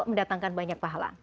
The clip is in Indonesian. mendatangkan banyak pahala